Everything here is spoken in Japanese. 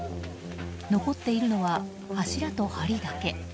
残っているのは、柱と梁だけ。